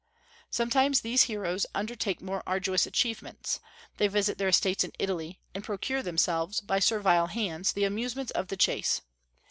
Sometimes these heroes undertake more arduous achievements: they visit their estates in Italy, and procure themselves, by servile hands, the amusements of the chase.